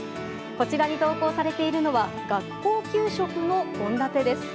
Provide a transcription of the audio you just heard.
こちらに投稿されているのは学校給食の献立です。